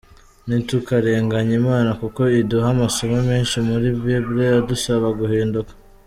Ntitukarenganye imana kuko iduha amasomo menshi muli Bible adusaba guhinduka.